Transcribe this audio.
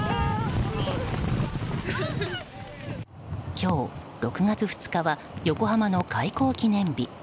今日６月２日には横浜の開港記念日。